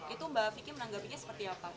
itu mbak vicky menanggapinya seperti apa